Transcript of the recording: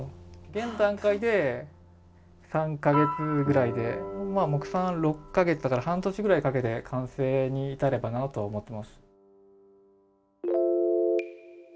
現段階で３か月ぐらいで、目算は６か月、だから半年ぐらいかけて完成に至ればなとは思っています。